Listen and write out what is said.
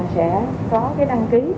sẽ có đăng ký